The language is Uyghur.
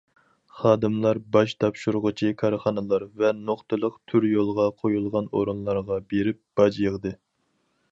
خادىملار باج تاپشۇرغۇچى كارخانىلار ۋە نۇقتىلىق تۈر يولغا قويۇلغان ئورۇنلارغا بېرىپ باج يىغدى.